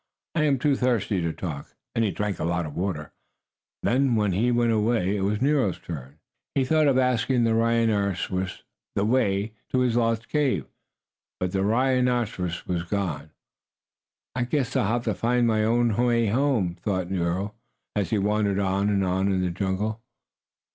"I am too thirsty to talk," and he drank a lot of water. Then, when he went away, it was Nero's turn. And after the lion had quenched his thirst he thought of asking the rhinoceros the way to the lost cave. But the rhinoceros was gone. "I guess I'll have to find my own way home," thought poor Nero, as he wandered on and on in the jungle.